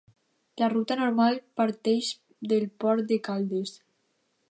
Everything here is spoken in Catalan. La ruta normal parteix del Port de Caldes.